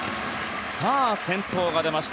さあ、先頭が出ました。